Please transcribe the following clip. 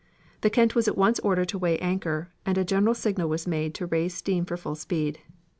The Kent was at once ordered to weigh anchor, and a general signal was made to raise steam for full speed.